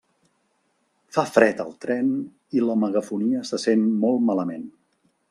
Fa fred al tren i la megafonia se sent molt malament.